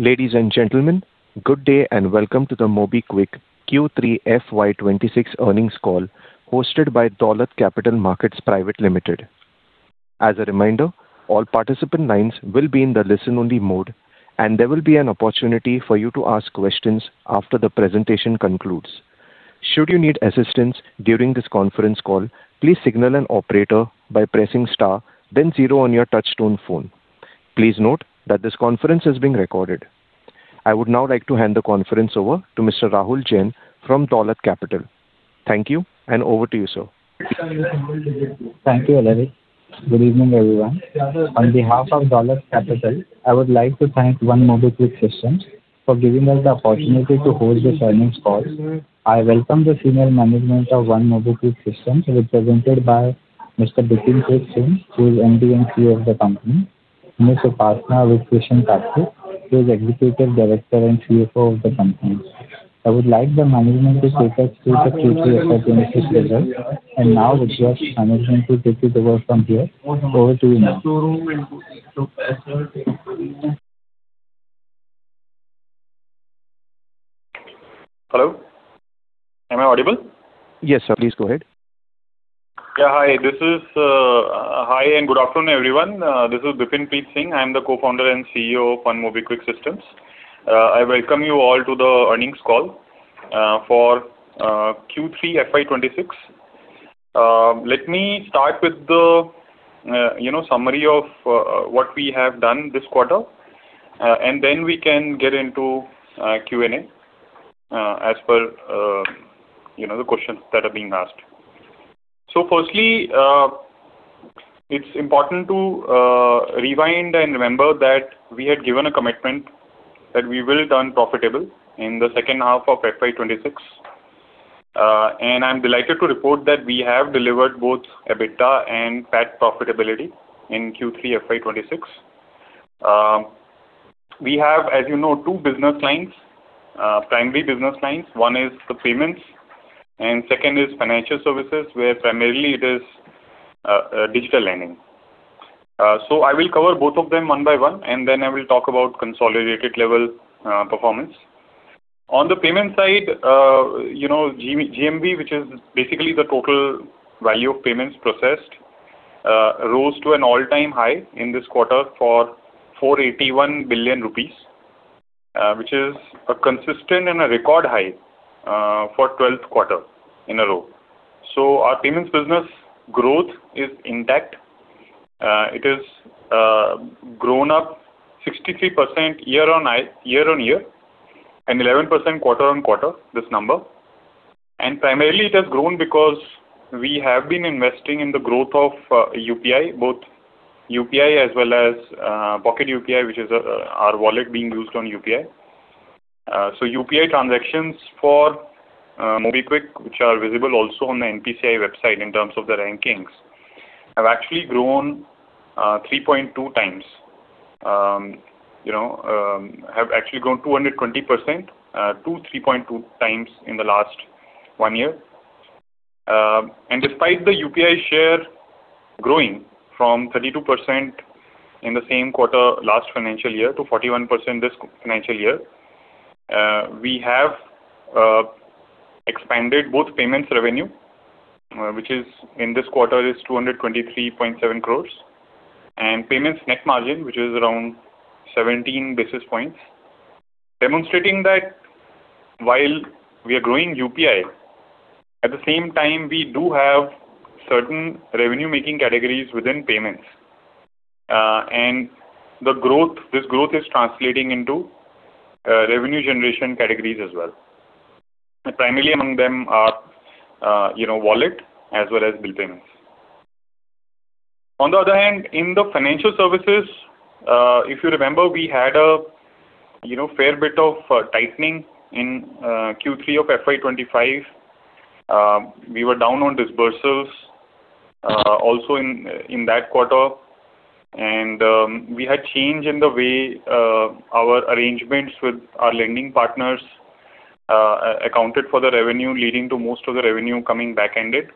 Ladies and gentlemen, good day and welcome to the MobiKwik Q3 FY 2026 earnings call hosted by Dolat Capital Market Pvt. Ltd. As a reminder, all participant lines will be in the listen-only mode, and there will be an opportunity for you to ask questions after the presentation concludes. Should you need assistance during this conference call, please signal an operator by pressing star, then 0 on your touch-tone phone. Please note that this conference is being recorded. I would now like to hand the conference over to Mr. Rahul Jain from Dolat Capital. Thank you, and over to you, sir. Thank you, Olivier. Good evening, everyone. On behalf of Dolat Capital, I would like to thank One MobiKwik Systems for giving us the opportunity to host this earnings call. I welcome the senior management of One MobiKwik Systems, represented by Mr. Bipin Preet Singh, who is MD and CEO of the company, and Ms. Upasana Rupkrishan Taku, who is Executive Director and CFO of the company. I would like the management to take us through the Q3 operating results, and now request management to take it over from here. Over to you now. Hello? Am I audible? Yes, sir. Please go ahead. Yeah, hi. Hi and good afternoon, everyone. This is Bipin Preet Singh. I'm the Co-founder and CEO of One MobiKwik Systems. I welcome you all to the earnings call for Q3 FY 2026. Let me start with the summary of what we have done this quarter, and then we can get into Q&A as per the questions that are being asked. Firstly, it's important to rewind and remember that we had given a commitment that we will turn profitable in the second half of FY 2026. I'm delighted to report that we have delivered both EBITDA and PAT profitability in Q3 FY 2026. We have, as you know, two primary business lines. One is the payments, and second is financial services, where primarily it is digital lending. I will cover both of them one by one, and then I will talk about consolidated-level performance. On the payments side, GMV, which is basically the total value of payments processed, rose to an all-time high in this quarter for INR 481 billion, which is consistent and a record high for the 12th quarter in a row. So our payments business growth is intact. It has grown up 63% year-on-year and 11% quarter-on-quarter, this number. And primarily, it has grown because we have been investing in the growth of UPI, both UPI as well as Pocket UPI, which is our wallet being used on UPI. So UPI transactions for MobiKwik, which are visible also on the NPCI website in terms of the rankings, have actually grown 3.2 times, have actually grown 220% or 3.2 times in the last one year. Despite the UPI share growing from 32% in the same quarter last financial year to 41% this financial year, we have expanded both payments revenue, which in this quarter is 223.7 crore, and payments net margin, which is around 17 basis points, demonstrating that while we are growing UPI, at the same time, we do have certain revenue-making categories within payments. This growth is translating into revenue generation categories as well. Primarily among them are wallet as well as bill payments. On the other hand, in the financial services, if you remember, we had a fair bit of tightening in Q3 of FY 2025. We were down on disbursals also in that quarter. We had change in the way our arrangements with our lending partners accounted for the revenue, leading to most of the revenue coming back-ended.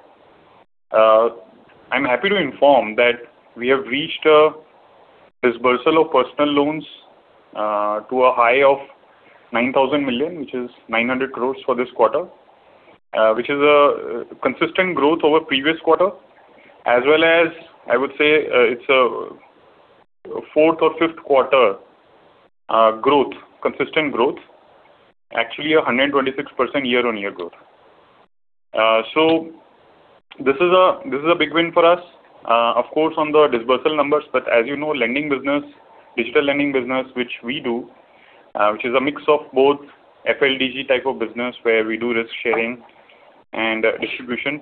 I'm happy to inform that we have reached a disbursal of personal loans to a high of 9,000 million, which is 900 crore for this quarter, which is a consistent growth over previous quarter, as well as, I would say, it's a fourth or fifth quarter growth, consistent growth, actually a 126% year-on-year growth. So this is a big win for us, of course, on the disbursal numbers. But as you know, digital lending business, which we do, which is a mix of both FLDG type of business where we do risk-sharing and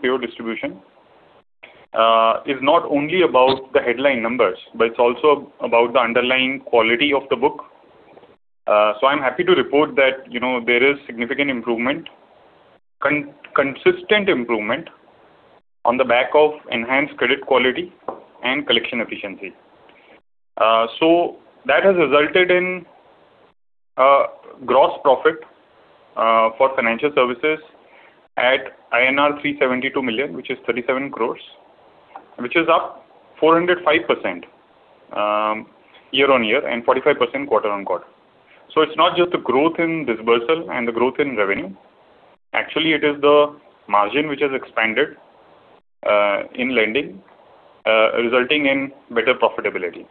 pure distribution, is not only about the headline numbers, but it's also about the underlying quality of the book. So I'm happy to report that there is significant improvement, consistent improvement, on the back of enhanced credit quality and collection efficiency. So that has resulted in gross profit for financial services at INR 372 million, which is 37 crore, which is up 405% year-on-year and 45% quarter-on-quarter. So it's not just the growth in disbursal and the growth in revenue. Actually, it is the margin, which has expanded in lending, resulting in better profitability.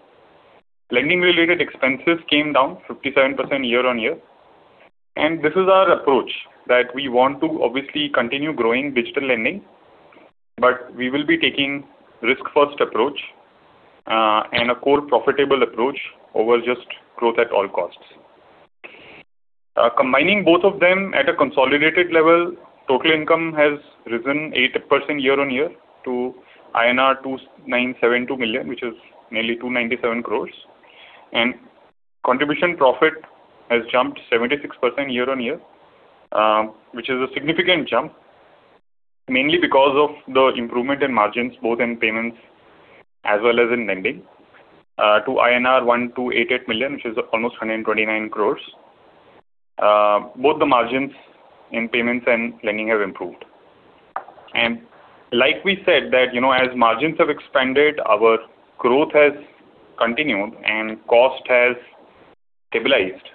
Lending-related expenses came down 57% year-on-year. And this is our approach, that we want to obviously continue growing digital lending, but we will be taking risk-first approach and a core profitable approach over just growth at all costs. Combining both of them at a consolidated level, total income has risen 8% year-on-year to INR 2,972 million, which is nearly 297 crore. Contribution profit has jumped 76% year-on-year, which is a significant jump, mainly because of the improvement in margins, both in payments as well as in lending, to INR 1,288 million, which is almost 129 crore. Both the margins in payments and lending have improved. Like we said, that as margins have expanded, our growth has continued and cost has stabilized.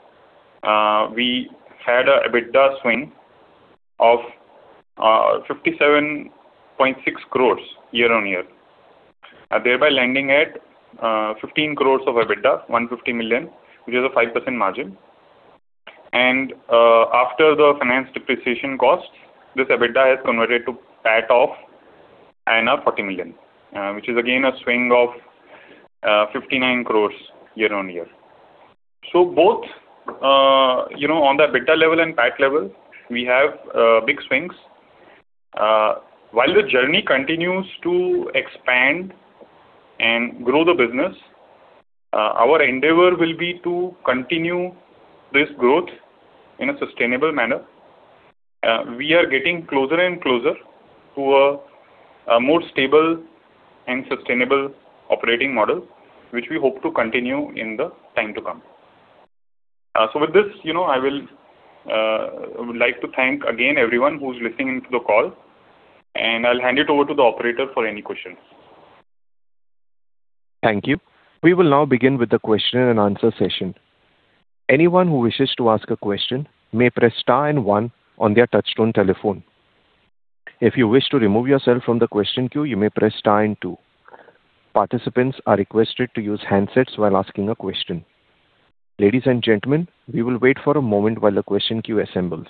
We had an EBITDA swing of 57.6 crore year-on-year, thereby lending at 15 crore of EBITDA, 150 million, which is a 5% margin. And after the finance depreciation costs, this EBITDA has converted to PAT of INR 40 million, which is again a swing of 59 crore year-on-year. Both on the EBITDA level and PAT level, we have big swings. While the journey continues to expand and grow the business, our endeavor will be to continue this growth in a sustainable manner. We are getting closer and closer to a more stable and sustainable operating model, which we hope to continue in the time to come. So with this, I would like to thank again everyone who's listening into the call, and I'll hand it over to the operator for any questions. Thank you. We will now begin with the question-and-answer session. Anyone who wishes to ask a question may press star and 1 on their touch-tone telephone. If you wish to remove yourself from the question queue, you may press star and 2. Participants are requested to use handsets while asking a question. Ladies and gentlemen, we will wait for a moment while the question queue assembles.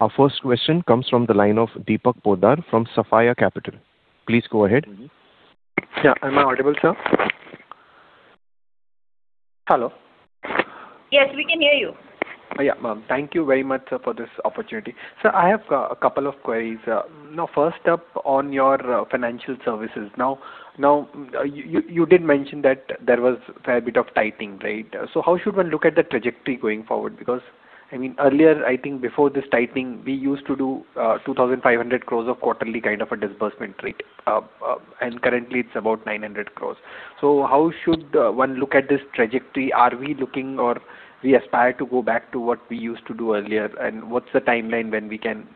Our first question comes from the line of Deepak Poddar from Sapphire Capital. Please go ahead. Yeah. Am I audible, sir? Hello? Yes, we can hear you. Yeah, ma'am. Thank you very much, sir, for this opportunity. Sir, I have a couple of queries. Now, first up, on your financial services. Now, you did mention that there was a fair bit of tightening, right? So how should one look at the trajectory going forward? Because, I mean, earlier, I think before this tightening, we used to do 2,500 crore of quarterly kind of a disbursement rate, and currently, it's about 900 crore. So how should one look at this trajectory? Are we looking or we aspire to go back to what we used to do earlier? And what's the timeline when we can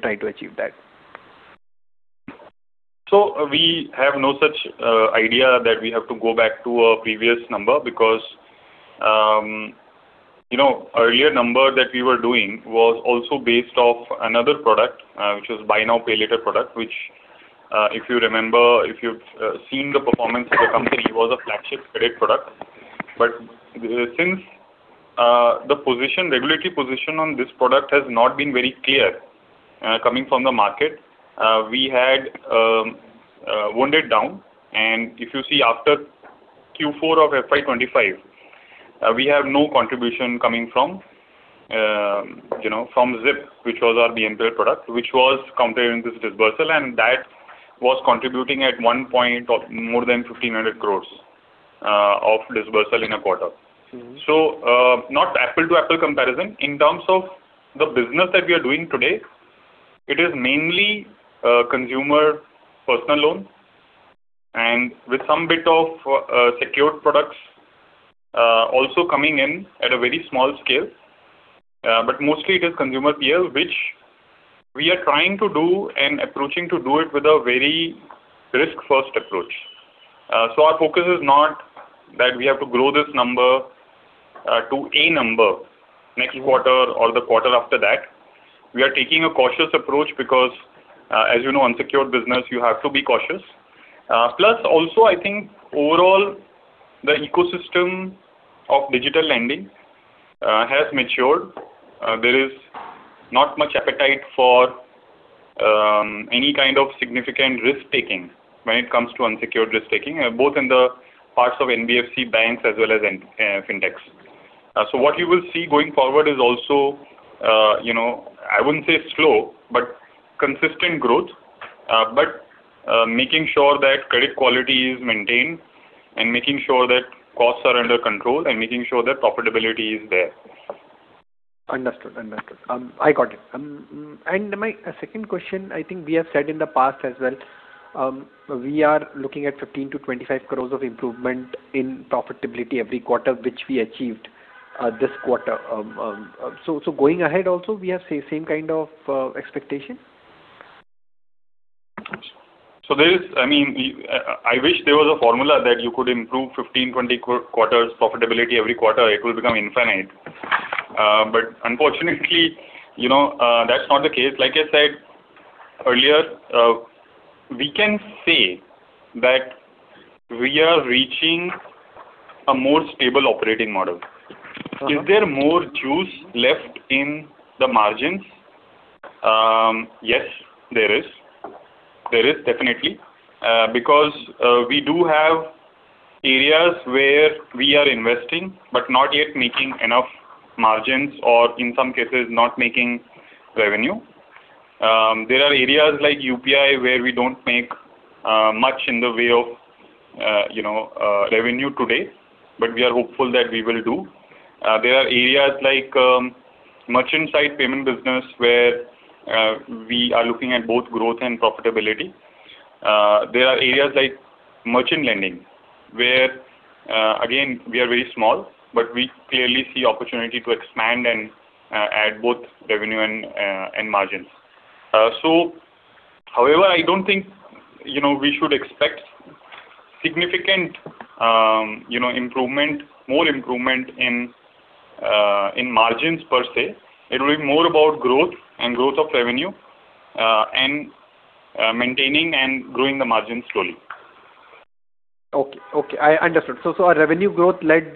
try to achieve that? So we have no such idea that we have to go back to a previous number because earlier number that we were doing was also based off another product, which was Buy Now Pay Later product, which, if you remember, if you've seen the performance of the company, was a flagship credit product. But since the regulatory position on this product has not been very clear coming from the market, we had wound down. And if you see, after Q4 of FY 2025, we have no contribution coming from ZIP, which was our BNPL product, which was counted in this disbursal, and that was contributing at one point more than 1,500 crore of disbursal in a quarter. So not apples-to-apples comparison. In terms of the business that we are doing today, it is mainly consumer personal loan and with some bit of secured products also coming in at a very small scale. But mostly, it is consumer PL, which we are trying to do and approaching to do it with a very risk-first approach. So our focus is not that we have to grow this number to a number next quarter or the quarter after that. We are taking a cautious approach because, as you know, unsecured business, you have to be cautious. Plus, also, I think overall, the ecosystem of digital lending has matured. There is not much appetite for any kind of significant risk-taking when it comes to unsecured risk-taking, both in the parts of NBFC banks as well as fintechs. What you will see going forward is also, I wouldn't say slow, but consistent growth, but making sure that credit quality is maintained and making sure that costs are under control and making sure that profitability is there. Understood. Understood. I got it. And a second question, I think we have said in the past as well, we are looking at 15 crore-25 crore of improvement in profitability every quarter, which we achieved this quarter. So going ahead also, we have same kind of expectation? So I mean, I wish there was a formula that you could improve 15, 20 quarters profitability every quarter. It will become infinite. But unfortunately, that's not the case. Like I said earlier, we can say that we are reaching a more stable operating model. Is there more juice left in the margins? Yes, there is. There is, definitely, because we do have areas where we are investing but not yet making enough margins or, in some cases, not making revenue. There are areas like UPI where we don't make much in the way of revenue today, but we are hopeful that we will do. There are areas like merchant-side payment business where we are looking at both growth and profitability. There are areas like merchant lending where, again, we are very small, but we clearly see opportunity to expand and add both revenue and margins. So however, I don't think we should expect significant improvement, more improvement in margins per se. It will be more about growth and growth of revenue and maintaining and growing the margins slowly. Okay. Okay. I understood. So our revenue growth led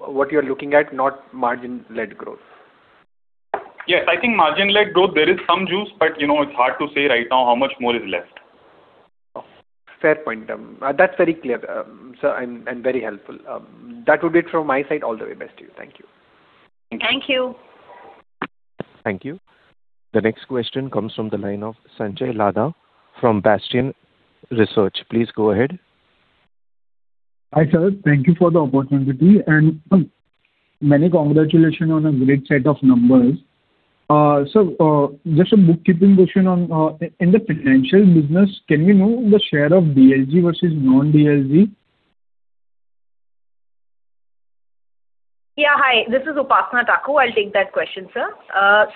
what you are looking at, not margin-led growth? Yes. I think margin-led growth, there is some juice, but it's hard to say right now how much more is left. Fair point. That's very clear, sir, and very helpful. That would be it from my side. All the very best to you. Thank you. Thank you. Thank you. The next question comes from the line of Sanjay Ladha from Bastion Research. Please go ahead. Hi, sir. Thank you for the opportunity. Many congratulations on a great set of numbers. Sir, just a bookkeeping question on in the financial business, can we know the share of DLG versus non-DLG? Yeah. Hi. This is Upasana Taku. I'll take that question, sir.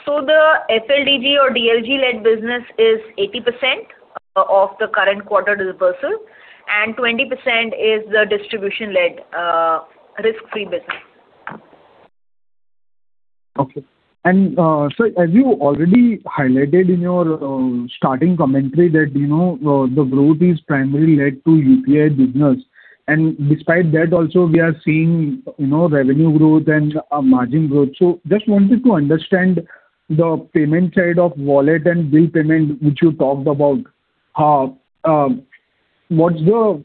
So the FLDG or DLG-led business is 80% of the current quarter disbursal, and 20% is the distribution-led risk-free business. Okay. Sir, as you already highlighted in your starting commentary that the growth is primarily led to UPI business. Despite that, also, we are seeing revenue growth and margin growth. Just wanted to understand the payment side of wallet and bill payment, which you talked about. What's the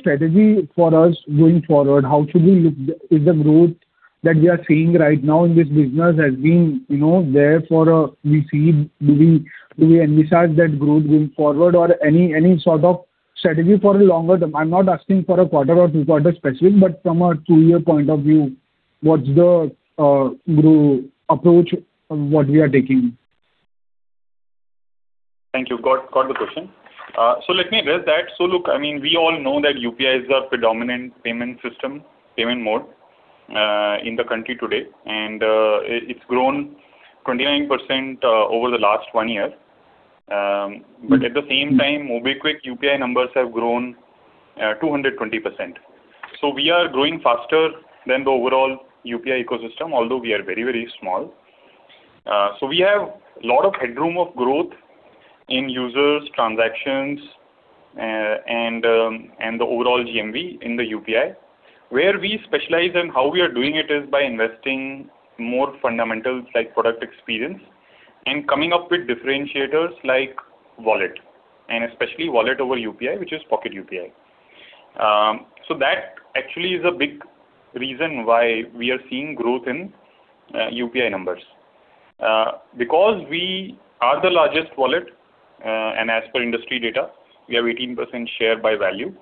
strategy for us going forward? How should we look? Is the growth that we are seeing right now in this business has been there for a do we envisage that growth going forward or any sort of strategy for a longer term? I'm not asking for a quarter or two-quarter specific, but from a two-year point of view, what's the approach what we are taking? Thank you. Got the question. So let me address that. So look, I mean, we all know that UPI is a predominant payment system, payment mode in the country today. And it's grown 29% over the last one year. But at the same time, MobiKwik UPI numbers have grown 220%. So we are growing faster than the overall UPI ecosystem, although we are very, very small. So we have a lot of headroom of growth in users, transactions, and the overall GMV in the UPI. Where we specialize and how we are doing it is by investing more fundamentals like product experience and coming up with differentiators like wallet and especially wallet over UPI, which is Pocket UPI. So that actually is a big reason why we are seeing growth in UPI numbers. Because we are the largest wallet, and as per industry data, we have 18% share by value,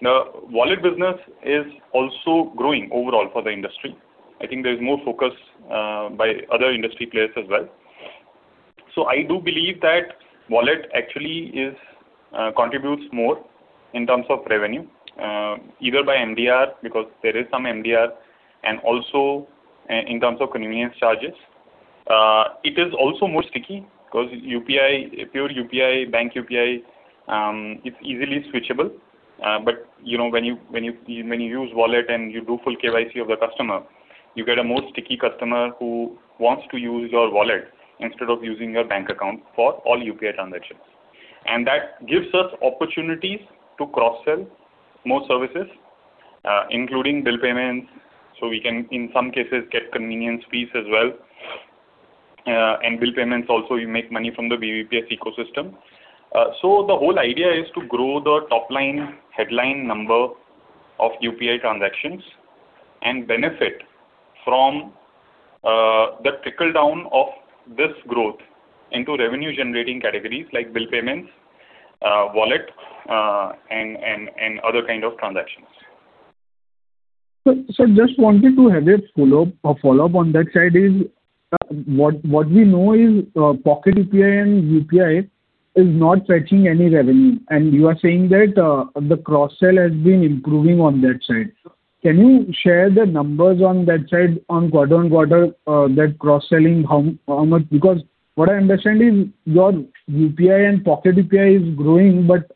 the wallet business is also growing overall for the industry. I think there is more focus by other industry players as well. So I do believe that wallet actually contributes more in terms of revenue, either by MDR because there is some MDR and also in terms of convenience charges. It is also more sticky because pure UPI, bank UPI, it's easily switchable. But when you use wallet and you do full KYC of the customer, you get a more sticky customer who wants to use your wallet instead of using your bank account for all UPI transactions. And that gives us opportunities to cross-sell more services, including bill payments, so we can, in some cases, get convenience fees as well. And bill payments also, you make money from the BBPS ecosystem. So the whole idea is to grow the topline, headline number of UPI transactions and benefit from the trickle-down of this growth into revenue-generating categories like bill payments, wallet, and other kind of transactions. Sir, just wanted to have a follow-up on that side. What we know is Pocket UPI and UPI is not fetching any revenue. And you are saying that the cross-sell has been improving on that side. Can you share the numbers on that side, on quarter-on-quarter, that cross-selling, how much? Because what I understand is your UPI and Pocket UPI is growing, but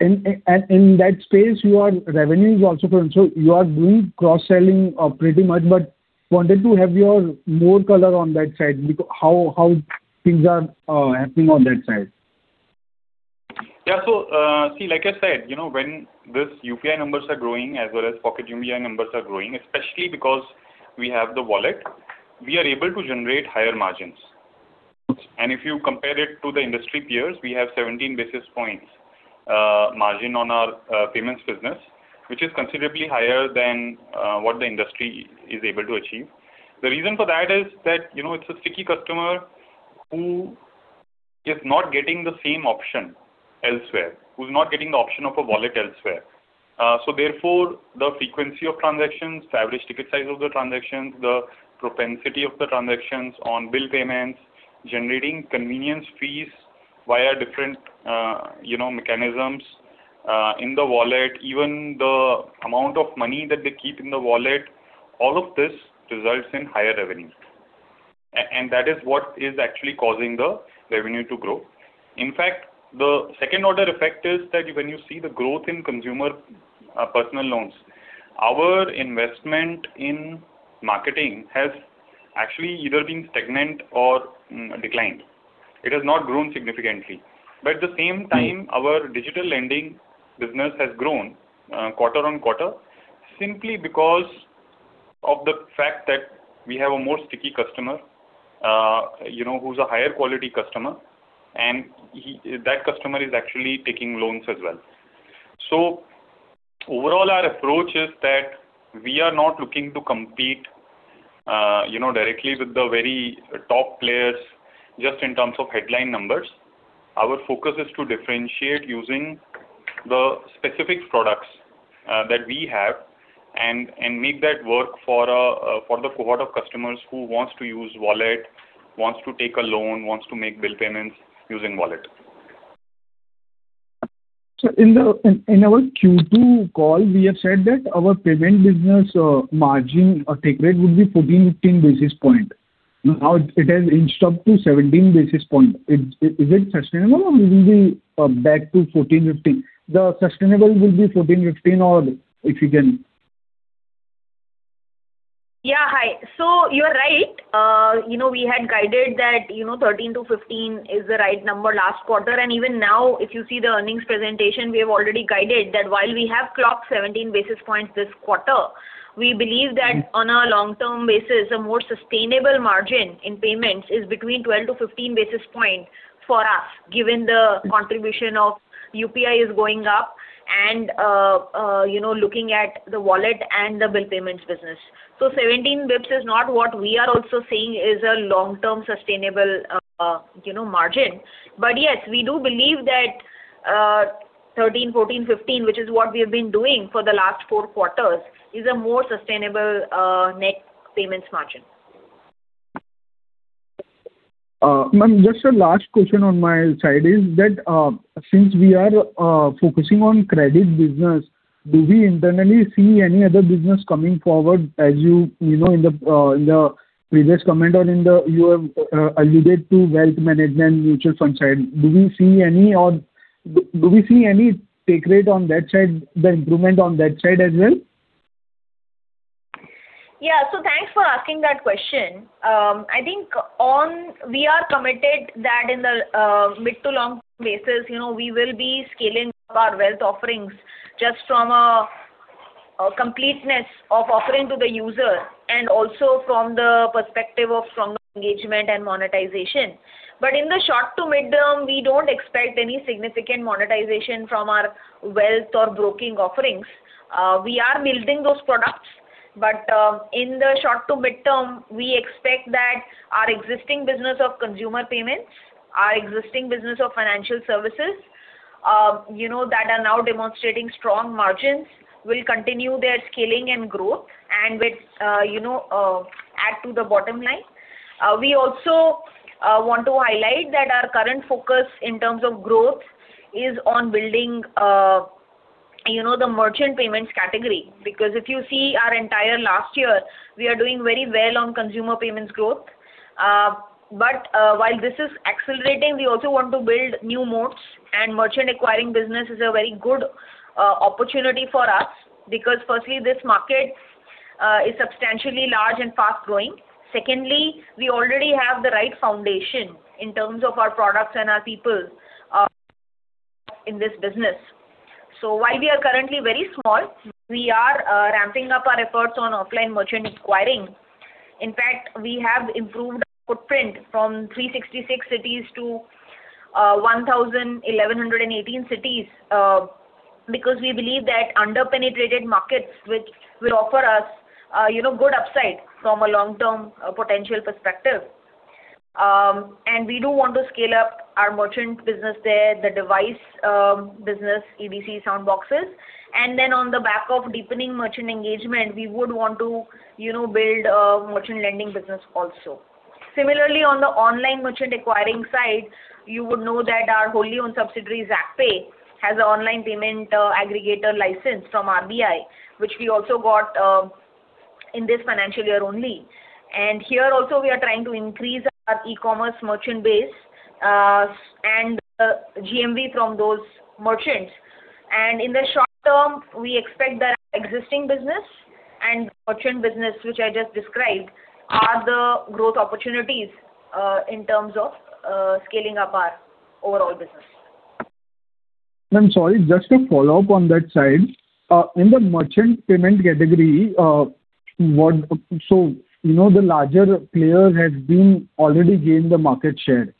in that space, your revenue is also growing. So you are doing cross-selling pretty much, but wanted to have your more color on that side, how things are happening on that side. Yeah. So see, like I said, when these UPI numbers are growing as well as Pocket UPI numbers are growing, especially because we have the wallet, we are able to generate higher margins. And if you compare it to the industry peers, we have 17 basis points margin on our payments business, which is considerably higher than what the industry is able to achieve. The reason for that is that it's a sticky customer who is not getting the same option elsewhere, who's not getting the option of a wallet elsewhere. So therefore, the frequency of transactions, average ticket size of the transactions, the propensity of the transactions on bill payments, generating convenience fees via different mechanisms in the wallet, even the amount of money that they keep in the wallet, all of this results in higher revenue. And that is what is actually causing the revenue to grow. In fact, the second-order effect is that when you see the growth in consumer personal loans, our investment in marketing has actually either been stagnant or declined. It has not grown significantly. But at the same time, our digital lending business has grown quarter-on-quarter simply because of the fact that we have a more sticky customer who's a higher-quality customer, and that customer is actually taking loans as well. So overall, our approach is that we are not looking to compete directly with the very top players just in terms of headline numbers. Our focus is to differentiate using the specific products that we have and make that work for the cohort of customers who wants to use wallet, wants to take a loan, wants to make bill payments using wallet. So in our Q2 call, we have said that our payment business margin or take rate would be 14-15 basis points. Now, it has inched up to 17 basis points. Is it sustainable, or will it be back to 14-15? The sustainable will be 14-15, or if you can. Yeah. Hi. So you are right. We had guided that 13-15 is the right number last quarter. Even now, if you see the earnings presentation, we have already guided that while we have clocked 17 basis points this quarter, we believe that on a long-term basis, a more sustainable margin in payments is between 12-15 basis point for us given the contribution of UPI is going up and looking at the wallet and the bill payments business. So 17 bps is not what we are also saying is a long-term sustainable margin. But yes, we do believe that 13, 14, 15, which is what we have been doing for the last four quarters, is a more sustainable net payments margin. Ma'am, just a last question on my side is that since we are focusing on credit business, do we internally see any other business coming forward as you in the previous comment or in the you have alluded to wealth management, mutual fund side, do we see any or do we see any take rate on that side, the improvement on that side as well? Yeah. So thanks for asking that question. I think we are committed that in the mid- to long-term basis, we will be scaling up our wealth offerings just from a completeness of offering to the user and also from the perspective of strong engagement and monetization. But in the short- to mid-term, we don't expect any significant monetization from our wealth or broking offerings. We are building those products. But in the short- to mid-term, we expect that our existing business of consumer payments, our existing business of financial services that are now demonstrating strong margins will continue their scaling and growth and it adds to the bottom line. We also want to highlight that our current focus in terms of growth is on building the merchant payments category because if you see our entire last year, we are doing very well on consumer payments growth. While this is accelerating, we also want to build new modes. Merchant acquiring business is a very good opportunity for us because, firstly, this market is substantially large and fast-growing. Secondly, we already have the right foundation in terms of our products and our people in this business. So while we are currently very small, we are ramping up our efforts on offline merchant acquiring. In fact, we have improved our footprint from 366 cities to 1,118 cities because we believe that under-penetrated markets will offer us good upside from a long-term potential perspective. We do want to scale up our merchant business there, the device business, EDC Soundboxes. Then on the back of deepening merchant engagement, we would want to build a merchant lending business also. Similarly, on the online merchant acquiring side, you would know that our wholly-owned subsidiary, Zaakpay, has an online payment aggregator license from RBI, which we also got in this financial year only. And here also, we are trying to increase our e-commerce merchant base and GMV from those merchants. And in the short term, we expect that our existing business and merchant business, which I just described, are the growth opportunities in terms of scaling up our overall business. Ma'am, sorry, just a follow-up on that side. In the merchant payment category, so the larger player has already gained the market share.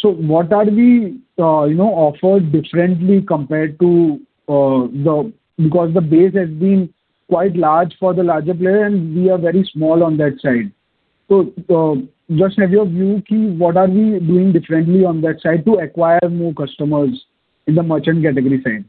So what are we offered differently compared to the because the base has been quite large for the larger player, and we are very small on that side. So just have your view, ki, what are we doing differently on that side to acquire more customers in the merchant category side? So sir, you are right. We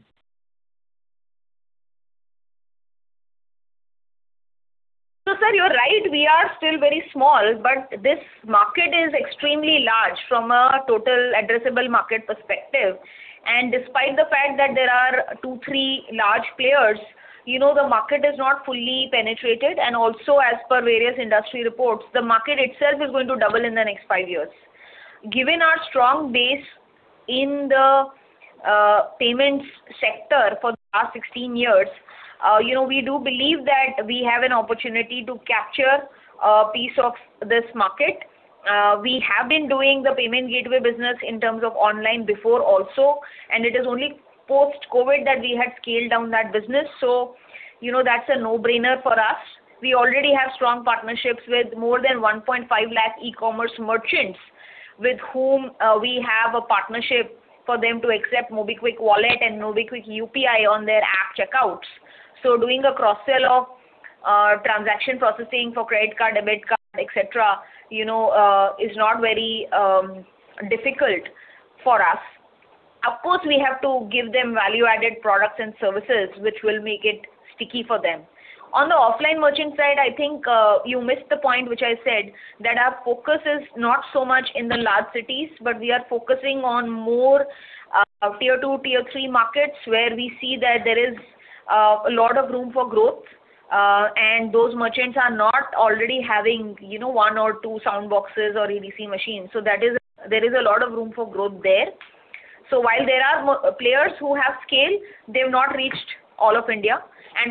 are still very small, but this market is extremely large from a total addressable market perspective. And despite the fact that there are two, three large players, the market is not fully penetrated. And also, as per various industry reports, the market itself is going to double in the next five years. Given our strong base in the payments sector for the last 16 years, we do believe that we have an opportunity to capture a piece of this market. We have been doing the payment gateway business in terms of online before also. And it is only post-COVID that we had scaled down that business. So that's a no-brainer for us. We already have strong partnerships with more than 150,000 e-commerce merchants with whom we have a partnership for them to accept MobiKwik Wallet and MobiKwik UPI on their app checkouts. Doing a cross-sell of transaction processing for credit card, debit card, etc., is not very difficult for us. Of course, we have to give them value-added products and services, which will make it sticky for them. On the offline merchant side, I think you missed the point, which I said, that our focus is not so much in the large cities, but we are focusing on more Tier 2, Tier 3 markets where we see that there is a lot of room for growth. And those merchants are not already having one or two soundboxes or EDC machines. So there is a lot of room for growth there. While there are players who have scale, they have not reached all of India.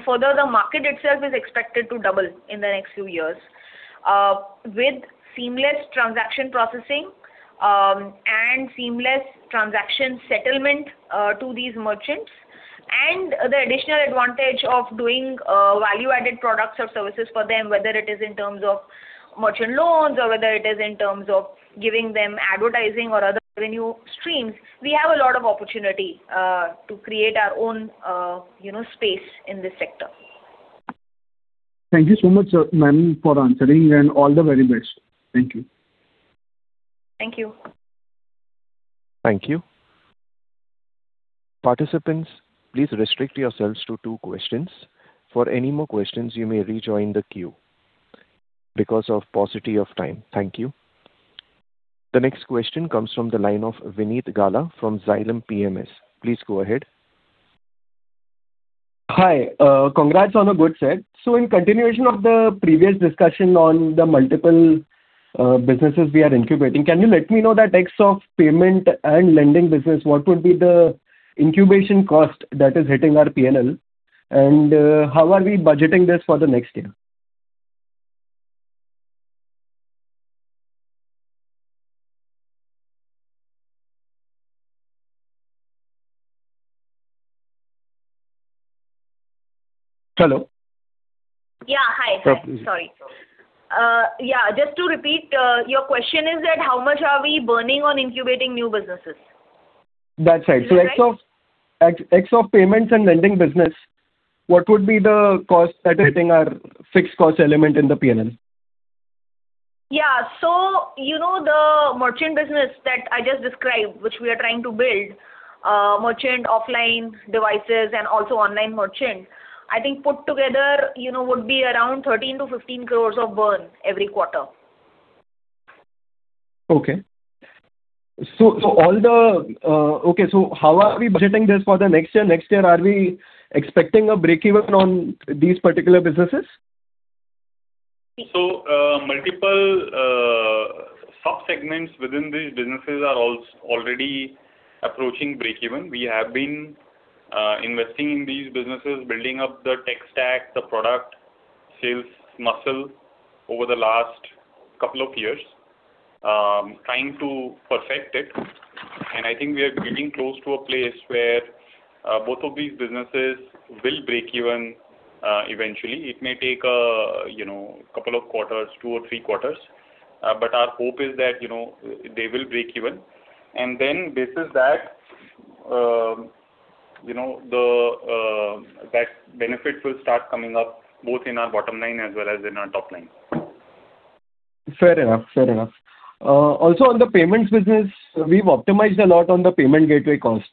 Further, the market itself is expected to double in the next few years with seamless transaction processing and seamless transaction settlement to these merchants and the additional advantage of doing value-added products or services for them, whether it is in terms of merchant loans or whether it is in terms of giving them advertising or other revenue streams. We have a lot of opportunity to create our own space in this sector. Thank you so much, Ma'am, for answering. All the very best. Thank you. Thank you. Thank you. Participants, please restrict yourselves to two questions. For any more questions, you may rejoin the queue because of paucity of time. Thank you. The next question comes from the line of Vinit Gala from Xylem PMS. Please go ahead. Hi. Congrats on a good set. In continuation of the previous discussion on the multiple businesses we are incubating, can you let me know the OpEx of payment and lending business, what would be the incubation cost that is hitting our P&L? And how are we budgeting this for the next year? Hello? Yeah. Hi. Sorry. Yeah. Just to repeat, your question is that how much are we burning on incubating new businesses? That's right. So X of payments and lending business, what would be the cost that is hitting our fixed cost element in the P&L? Yeah. So the merchant business that I just described, which we are trying to build, merchant offline devices and also online merchant, I think put together would be around 13 crore-15 crore of burn every quarter. So how are we budgeting this for the next year? Next year, are we expecting a break-even on these particular businesses? So multiple subsegments within these businesses are already approaching break-even. We have been investing in these businesses, building up the tech stack, the product sales muscle over the last couple of years, trying to perfect it. And I think we are getting close to a place where both of these businesses will break-even eventually. It may take a couple of quarters, 2 or 3 quarters. But our hope is that they will break-even. And then based on that, that benefit will start coming up both in our bottom line as well as in our top line. Fair enough. Fair enough. Also, on the payments business, we've optimized a lot on the payment gateway cost.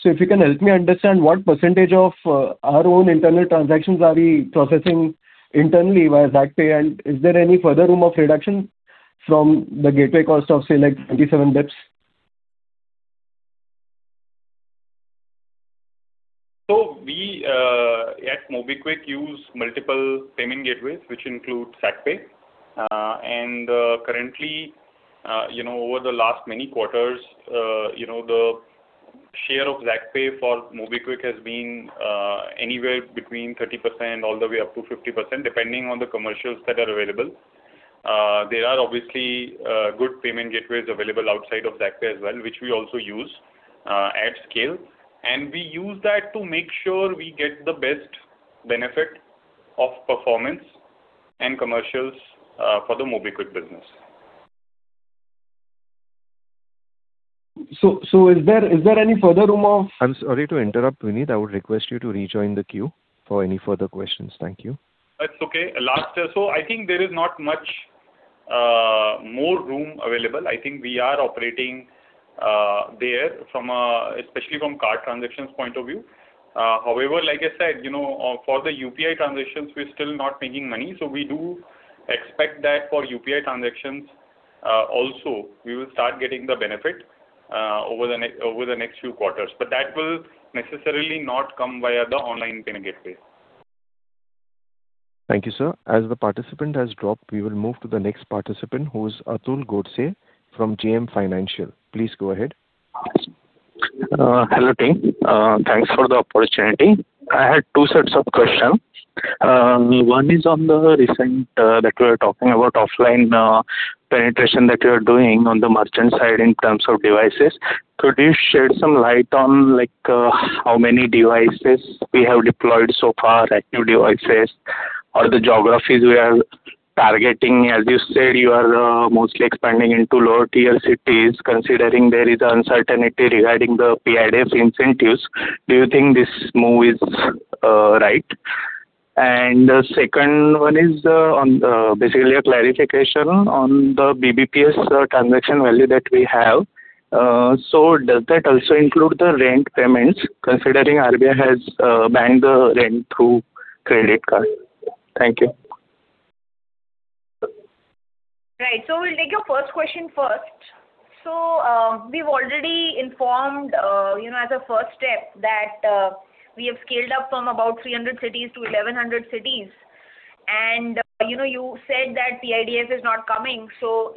So if you can help me understand what percentage of our own internal transactions are we processing internally via Zaakpay, and is there any further room of reduction from the gateway cost of, say, like 27 basis points? So we at MobiKwik use multiple payment gateways, which include Zaakpay. Currently, over the last many quarters, the share of Zaakpay for MobiKwik has been anywhere between 30% all the way up to 50% depending on the commercials that are available. There are obviously good payment gateways available outside of Zaakpay as well, which we also use at scale. We use that to make sure we get the best benefit of performance and commercials for the MobiKwik business. So, is there any further room of? I'm sorry to interrupt, Vineeth. I would request you to rejoin the queue for any further questions. Thank you. That's okay. So I think there is not much more room available. I think we are operating there, especially from card transactions point of view. However, like I said, for the UPI transactions, we're still not making money. So we do expect that for UPI transactions also, we will start getting the benefit over the next few quarters. But that will necessarily not come via the online payment gateway. Thank you, sir. As the participant has dropped, we will move to the next participant, who is Atul Godse from JM Financial. Please go ahead. Hello, team. Thanks for the opportunity. I had two sets of questions. One is on the recent that we were talking about offline penetration that you are doing on the merchant side in terms of devices. Could you shed some light on how many devices we have deployed so far, active devices, or the geographies we are targeting? As you said, you are mostly expanding into lower-tier cities, considering there is uncertainty regarding the PIDF incentives. Do you think this move is right? And the second one is basically a clarification on the BBPS transaction value that we have. So does that also include the rent payments, considering RBI has banned the rent through credit card? Thank you. Right. So we'll take your first question first. So we've already informed as a first step that we have scaled up from about 300 cities to 1,100 cities. And you said that PIDF is not coming. So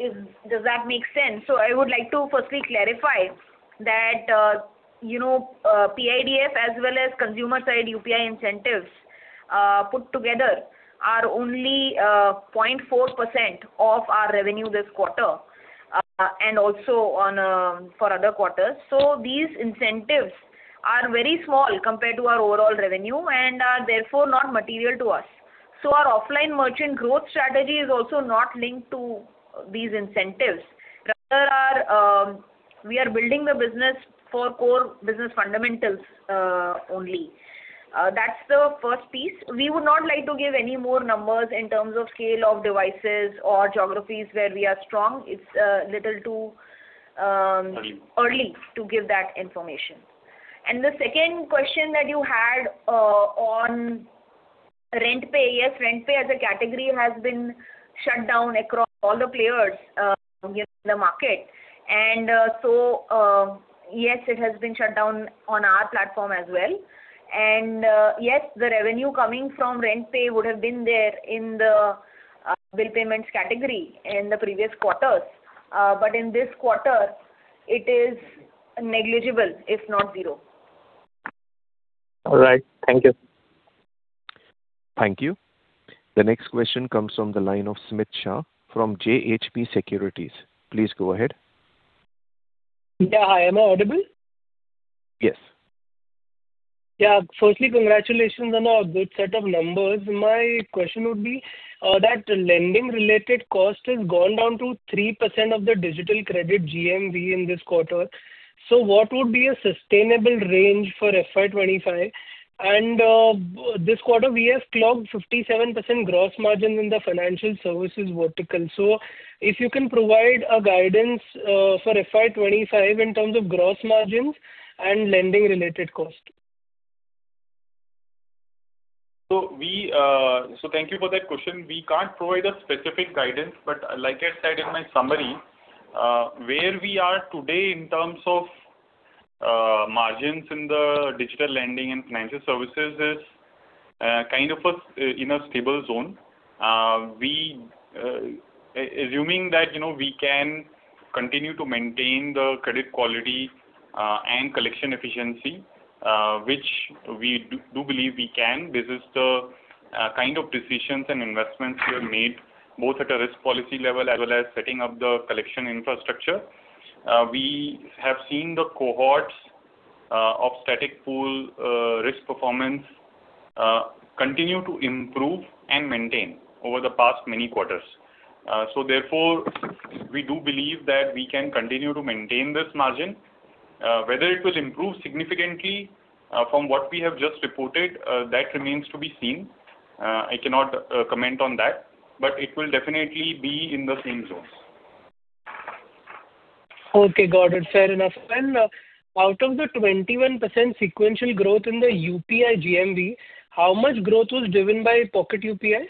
does that make sense? So I would like to firstly clarify that PIDF as well as consumer-side UPI incentives put together are only 0.4% of our revenue this quarter and also for other quarters. So these incentives are very small compared to our overall revenue and are therefore not material to us. So our offline merchant growth strategy is also not linked to these incentives. Rather, we are building the business for core business fundamentals only. That's the first piece. We would not like to give any more numbers in terms of scale of devices or geographies where we are strong. It's a little too. Early. early to give that information. The second question that you had on RentPay—yes, RentPay as a category has been shut down across all the players in the market. So yes, it has been shut down on our platform as well. Yes, the revenue coming from RentPay would have been there in the bill payments category in the previous quarters. But in this quarter, it is negligible, if not zero. All right. Thank you. Thank you. The next question comes from the line of Smit Shah from JHP Securities. Please go ahead. Yeah. Hi. Am I audible? Yes. Yeah. Firstly, congratulations on a good set of numbers. My question would be that lending-related cost has gone down to 3% of the digital credit GMV in this quarter. So what would be a sustainable range for FY 2025? And this quarter, we have clocked 57% gross margins in the financial services vertical. So if you can provide guidance for FY 2025 in terms of gross margins and lending-related cost. Thank you for that question. We can't provide a specific guidance. Like I said in my summary, where we are today in terms of margins in the digital lending and financial services is kind of in a stable zone. Assuming that we can continue to maintain the credit quality and collection efficiency, which we do believe we can, this is the kind of decisions and investments we have made both at a risk policy level as well as setting up the collection infrastructure. We have seen the cohorts of static pool risk performance continue to improve and maintain over the past many quarters. Therefore, we do believe that we can continue to maintain this margin. Whether it will improve significantly from what we have just reported, that remains to be seen. I cannot comment on that. It will definitely be in the same zones. Okay. Got it. Fair enough. And out of the 21% sequential growth in the UPI GMV, how much growth was driven by Pocket UPI?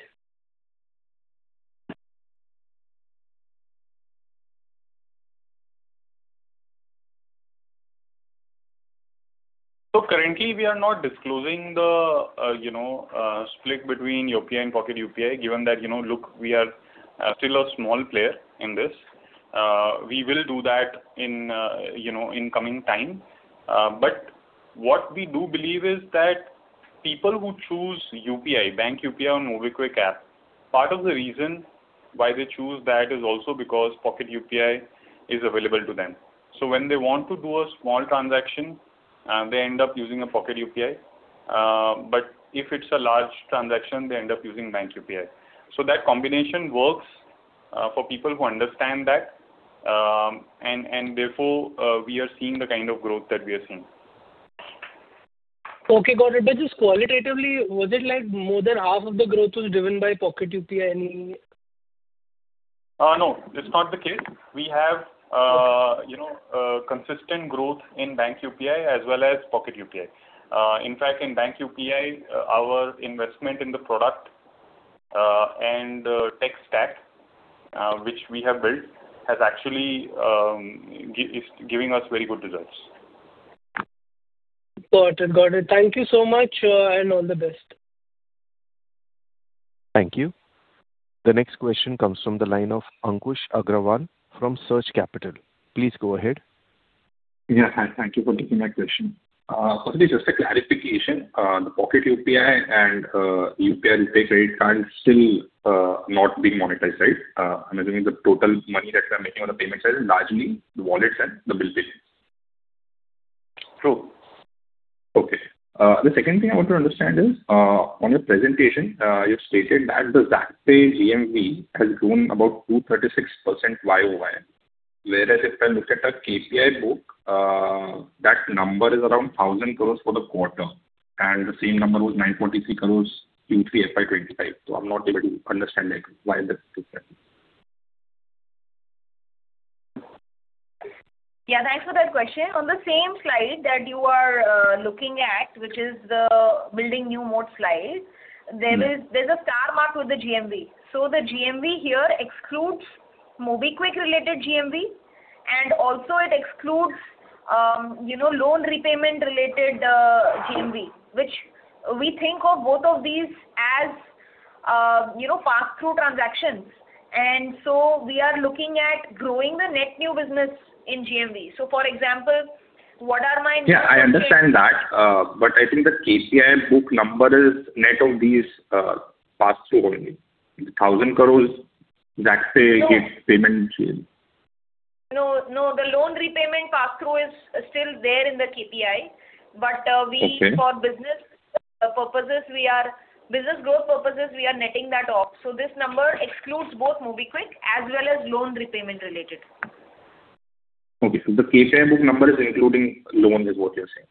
So currently, we are not disclosing the split between UPI and Pocket UPI given that, look, we are still a small player in this. We will do that in coming time. But what we do believe is that people who choose UPI, bank UPI, or MobiKwik app, part of the reason why they choose that is also because Pocket UPI is available to them. So when they want to do a small transaction, they end up using a Pocket UPI. But if it's a large transaction, they end up using bank UPI. So that combination works for people who understand that. And therefore, we are seeing the kind of growth that we are seeing. Okay. Got it. But just qualitatively, was it like more than half of the growth was driven by Pocket UPI? No. It's not the case. We have consistent growth in Bank UPI as well as Pocket UPI. In fact, in Bank UPI, our investment in the product and tech stack, which we have built, is actually giving us very good results. Got it. Got it. Thank you so much. And all the best. Thank you. The next question comes from the line of Ankush Agrawal from Surge Capital. Please go ahead. Yes. Hi. Thank you for taking my question. Firstly, just a clarification. The Pocket UPI and RuPay credit card is still not being monetized, right? I'm assuming the total money that we are making on the payment side is largely the wallets and the bill payments. True. Okay. The second thing I want to understand is, on your presentation, you've stated that the Zaakpay GMV has grown about 236% YOY. Whereas if I look at a KPI book, that number is around 1,000 crore for the quarter. And the same number was 943 crore Q3 FY 2025. So I'm not able to understand why the difference? Yeah. Thanks for that question. On the same slide that you are looking at, which is the building new mode slide, there's a star mark with the GMV. So the GMV here excludes MobiKwik-related GMV. And also, it excludes loan repayment-related GMV, which we think of both of these as pass-through transactions. And so we are looking at growing the net new business in GMV. So for example, what are my new. Yeah. I understand that. But I think the KPI book number is net of these pass-through only, the INR 1,000 crore Zaakpay payment GMV. No. No. The loan repayment pass-through is still there in the KPI. But for business purposes, we are business growth purposes, we are netting that off. So this number excludes both MobiKwik as well as loan repayment-related. Okay. So the KPI book number is including loan is what you're saying?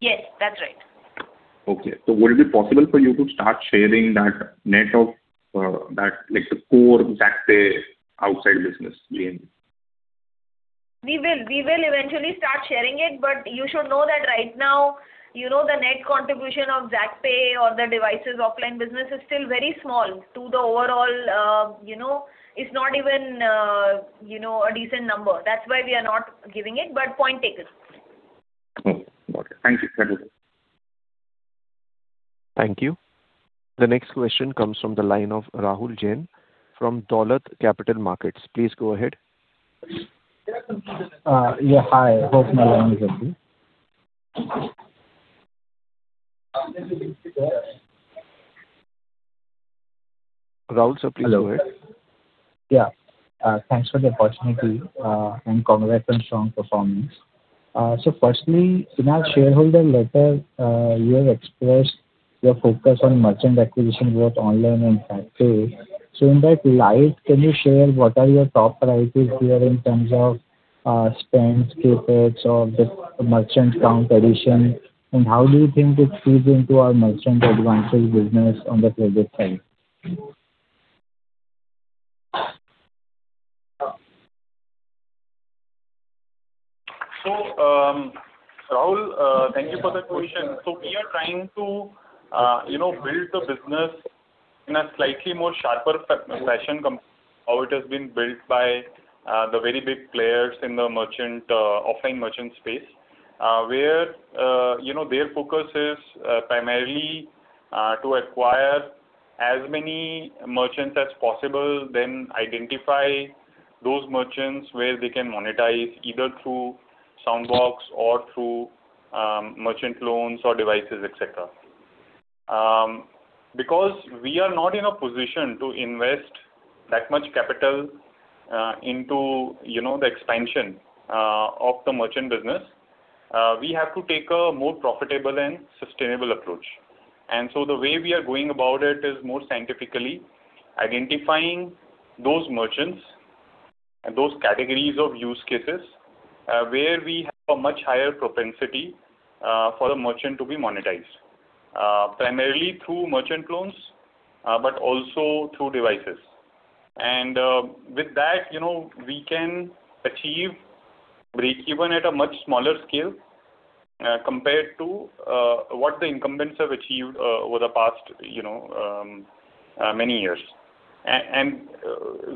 Yes. That's right. Okay. So would it be possible for you to start sharing that net of the core Zaakpay outside business GMV? We will. We will eventually start sharing it. But you should know that right now, the net contribution of Zaakpay or the devices offline business is still very small to the overall, it's not even a decent number. That's why we are not giving it. But point taken. Got it. Thank you. Thank you. Thank you. The next question comes from the line of Rahul Jain from Dolat Capital Market. Please go ahead. Yeah. Hi. I hope my line is okay. Rahul, sir, please go ahead. Yeah. Thanks for the opportunity. Congrats on strong performance. Firstly, in our shareholder letter, you have expressed your focus on merchant acquisition both online and Zaakpay. So in that light, can you share what are your top priorities here in terms of spend, CapEx or the merchant count addition? And how do you think it feeds into our merchant advantage business on the credit side? Rahul, thank you for the question. We are trying to build the business in a slightly more sharper fashion compared to how it has been built by the very big players in the offline merchant space, where their focus is primarily to acquire as many merchants as possible, then identify those merchants where they can monetize either through soundbox or through merchant loans or devices, etc. Because we are not in a position to invest that much capital into the expansion of the merchant business, we have to take a more profitable and sustainable approach. The way we are going about it is more scientifically identifying those merchants and those categories of use cases where we have a much higher propensity for the merchant to be monetized, primarily through merchant loans but also through devices. With that, we can achieve break-even at a much smaller scale compared to what the incumbents have achieved over the past many years.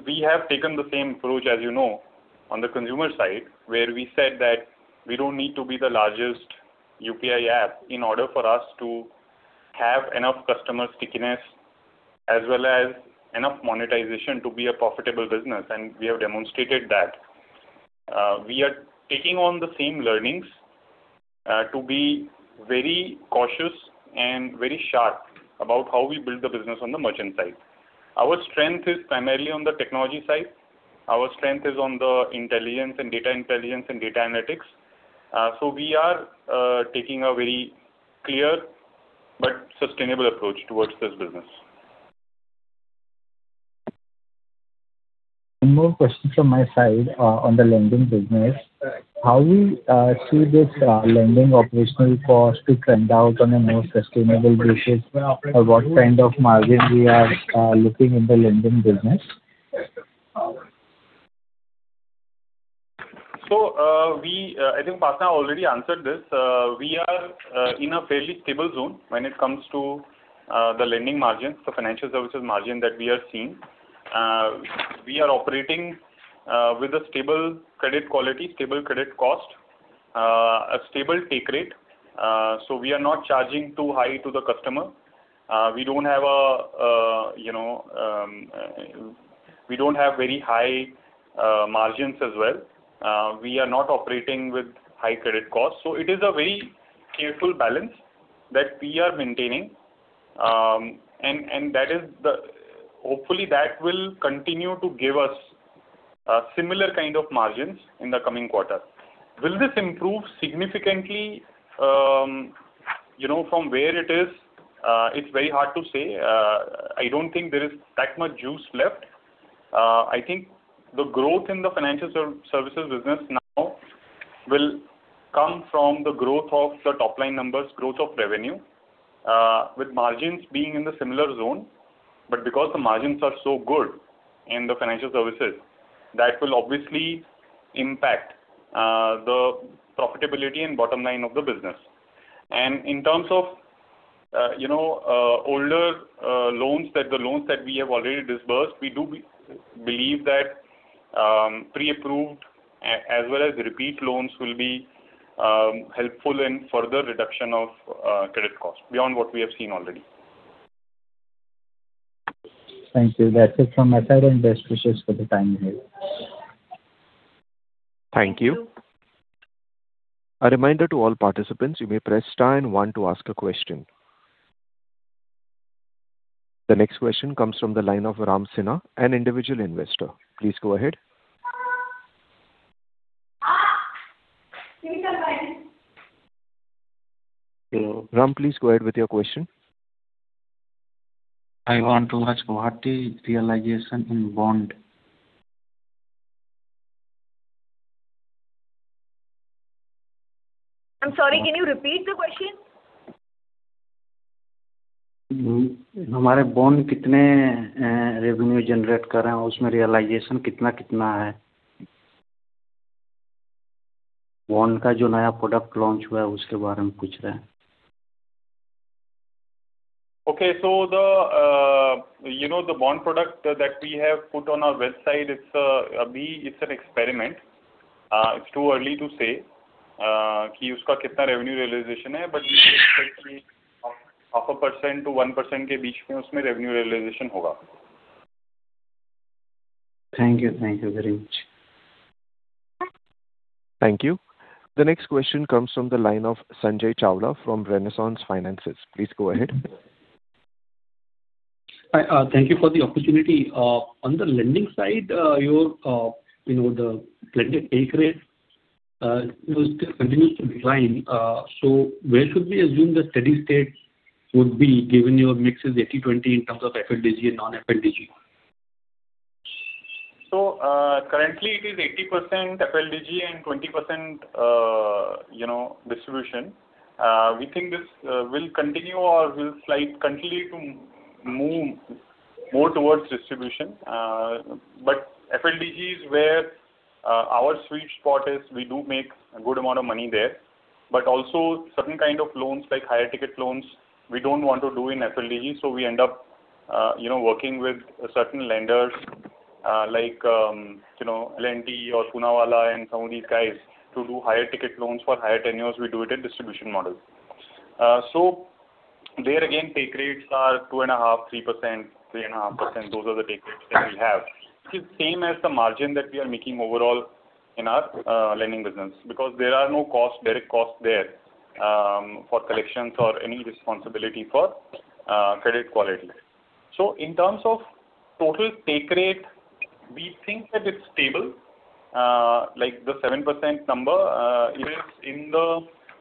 We have taken the same approach, as you know, on the consumer side where we said that we don't need to be the largest UPI app in order for us to have enough customer stickiness as well as enough monetization to be a profitable business. We have demonstrated that. We are taking on the same learnings to be very cautious and very sharp about how we build the business on the merchant side. Our strength is primarily on the technology side. Our strength is on the data intelligence and data analytics. So we are taking a very clear but sustainable approach towards this business. More questions from my side on the lending business. How we see this lending operational cost to and out on a more sustainable basis? Or what kind of margin we are looking in the lending business? So I think Partner already answered this. We are in a fairly stable zone when it comes to the lending margins, the financial services margin that we are seeing. We are operating with a stable credit quality, stable credit cost, a stable take rate. So we are not charging too high to the customer. We don't have very high margins as well. We are not operating with high credit costs. So it is a very careful balance that we are maintaining. And hopefully, that will continue to give us similar kind of margins in the coming quarter. Will this improve significantly from where it is? It's very hard to say. I don't think there is that much juice left. I think the growth in the financial services business now will come from the growth of the top-line numbers, growth of revenue, with margins being in the similar zone. But because the margins are so good in the financial services, that will obviously impact the profitability and bottom line of the business. And in terms of older loans, the loans that we have already disbursed, we do believe that pre-approved as well as repeat loans will be helpful in further reduction of credit cost beyond what we have seen already. Thank you. That's it from my side. And best wishes for the time ahead. Thank you. A reminder to all participants, you may press star and one to ask a question. The next question comes from the line of Ram Sinha, an individual investor. Please go ahead. Hello. Ram, please go ahead with your question. I want to ask what is realization in bond? I'm sorry. Can you repeat the question? हमारे bond कितने revenue generate कर रहे हैं, उसमें realization कितना-कितना है? Bond का जो नया प्रोडक्ट लॉन्च हुआ है, उसके बारे में पूछ रहे हैं। Okay. So the bond product that we have put on our website, abhi it's an experiment. It's too early to say ki uska kitna revenue realization hai. But we expect ki 0.5%-1% ke beech mein usmein revenue realization hoga. Thank you. Thank you very much. Thank you. The next question comes from the line of Sanjay Chawla from Renaissance Investment Managers. Please go ahead. Thank you for the opportunity. On the lending side, the lending take rate continues to decline. So where should we assume the steady state would be given your mix is 80/20 in terms of FLDG and non-FLDG? So currently, it is 80% FLDG and 20% distribution. We think this will continue or will slightly continue to move more towards distribution. But FLDG is where our sweet spot is. We do make a good amount of money there. But also, certain kind of loans like higher ticket loans, we don't want to do in FLDG. So we end up working with certain lenders like L&T or Poonawalla and some of these guys to do higher ticket loans for higher tenures. We do it in distribution model. So there again, take rates are 2.5%, 3%, 3.5%. Those are the take rates that we have. It's the same as the margin that we are making overall in our lending business because there are no direct costs there for collections or any responsibility for credit quality. So in terms of total take rate, we think that it's stable. The 7% number, it is in the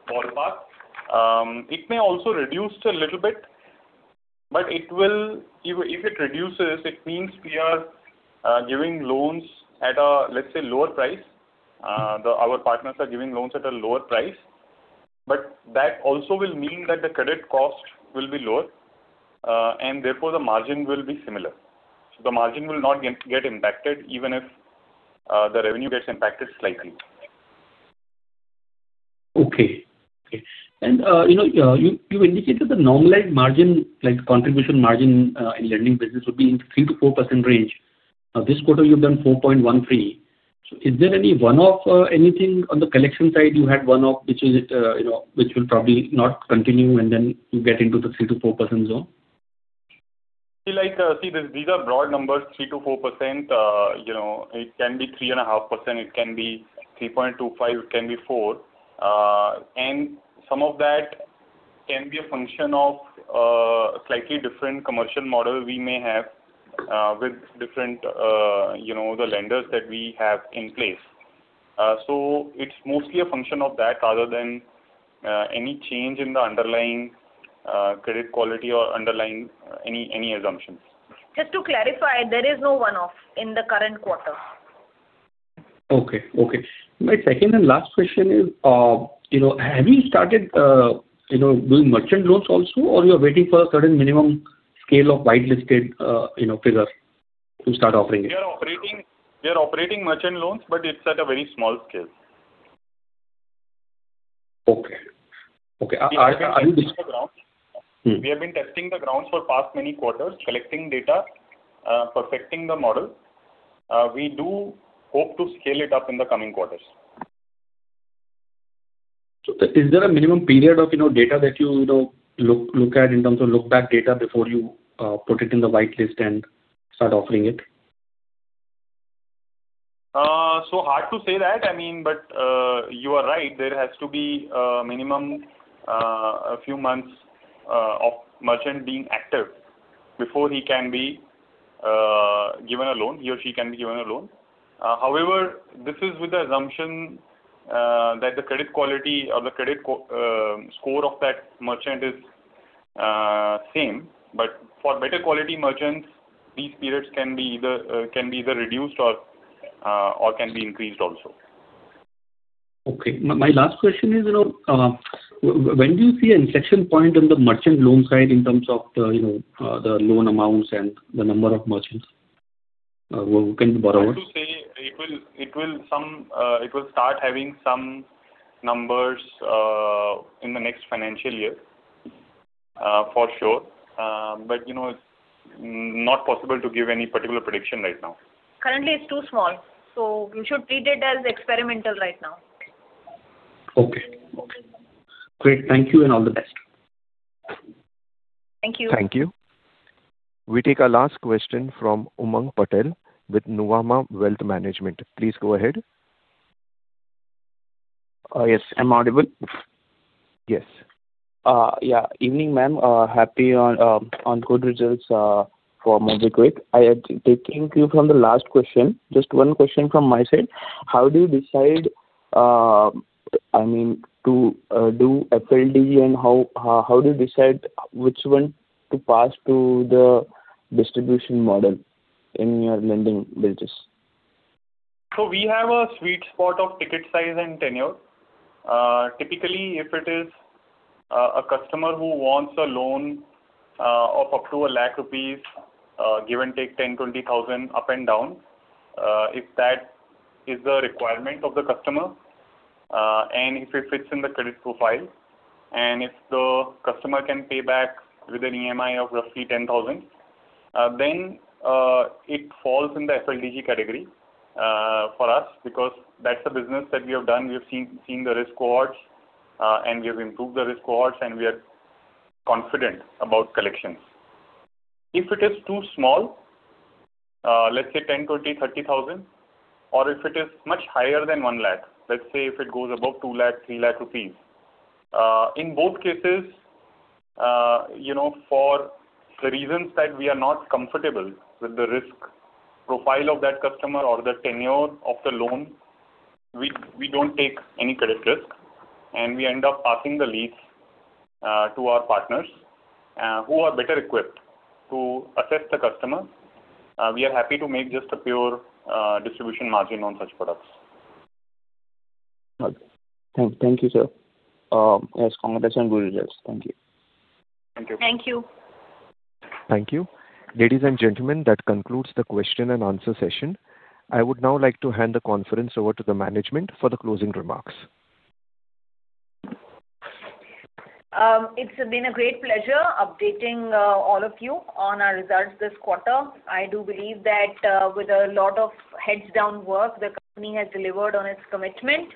ballpark. It may also reduce a little bit. But if it reduces, it means we are giving loans at a, let's say, lower price. Our partners are giving loans at a lower price. But that also will mean that the credit cost will be lower. And therefore, the margin will be similar. So the margin will not get impacted even if the revenue gets impacted slightly. Okay. Okay. You've indicated the normalized contribution margin in lending business would be in 3%-4% range. This quarter, you've done 4.13%. So is there any one-off anything on the collection side you had one-off which will probably not continue and then you get into the 3%-4% zone? See, these are broad numbers, 3%-4%. It can be 3.5%. It can be 3.25. It can be 4%. And some of that can be a function of a slightly different commercial model we may have with the lenders that we have in place. So it's mostly a function of that rather than any change in the underlying credit quality or underlying any assumptions. Just to clarify, there is no one-off in the current quarter. Okay. Okay. My second and last question is, have you started doing merchant loans also? Or you're waiting for a certain minimum scale of whitelisted figure to start offering it? We are operating merchant loans, but it's at a very small scale. Okay. Okay. Are you? We have been testing the grounds for past many quarters, collecting data, perfecting the model. We do hope to scale it up in the coming quarters. So is there a minimum period of data that you look at in terms of look-back data before you put it in the whitelist and start offering it? So hard to say that, I mean. But you are right. There has to be a minimum few months of merchant being active before he can be given a loan he or she can be given a loan. However, this is with the assumption that the credit quality or the credit score of that merchant is same. But for better quality merchants, these periods can be either reduced or can be increased also. Okay. My last question is, when do you see an inflection point on the merchant loan side in terms of the loan amounts and the number of merchants who can be borrowed? Hard to say. It will start having some numbers in the next financial year, for sure. But it's not possible to give any particular prediction right now. Currently, it's too small. We should treat it as experimental right now. Okay. Okay. Great. Thank you and all the best. Thank you. Thank you. We take a last question from Umang Patil with Nuvama Wealth Management. Please go ahead. Yes. I'm audible? Yes. Yeah. Evening, ma'am. Happy on good results for MobiKwik. I thank you for the last question. Just one question from my side. How do you decide, I mean, to do FLDG? And how do you decide which one to pass to the distribution model in your lending business? We have a sweet spot of ticket size and tenure. Typically, if it is a customer who wants a loan of up to 1,000,000 rupees, give and take 10,000-20,000 up and down, if that is the requirement of the customer and if it fits in the credit profile and if the customer can pay back with an EMI of roughly 10,000, then it falls in the FLDG category for us because that's a business that we have done. We have seen the risk rewards, and we are confident about collections. If it is too small, let's say 10,000, 20,000, 30,000, or if it is much higher than 1,000,000, let's say if it goes above 2,000,000, 3,000,000 rupees, in both cases, for the reasons that we are not comfortable with the risk profile of that customer or the tenure of the loan, we don't take any credit risk. We end up passing the leads to our partners who are better equipped to assess the customer. We are happy to make just a pure distribution margin on such products. Okay. Thank you, sir. Yes. Congratulations on good results. Thank you. Thank you. Thank you. Thank you. Ladies and gentlemen, that concludes the question-and-answer session. I would now like to hand the conference over to the management for the closing remarks. It's been a great pleasure updating all of you on our results this quarter. I do believe that with a lot of heads-down work, the company has delivered on its commitment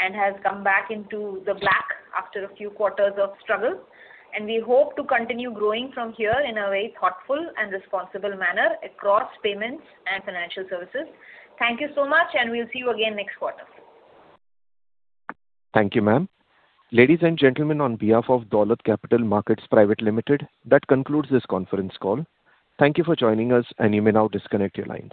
and has come back into the black after a few quarters of struggle. We hope to continue growing from here in a very thoughtful and responsible manner across payments and financial services. Thank you so much. We'll see you again next quarter. Thank you, ma'am. Ladies and gentlemen, on behalf of Dolat Capital Market Pvt. Ltd., that concludes this conference call. Thank you for joining us. You may now disconnect your lines.